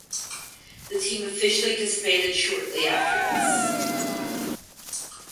The team officially disbanded shortly after this.